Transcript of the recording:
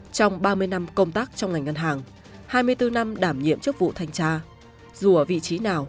trong ba mươi năm công tác trong ngành ngân hàng hai mươi bốn năm đảm nhiệm chức vụ thanh tra